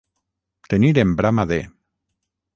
Tenir en brama de.